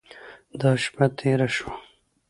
دا شپه تېره شوه.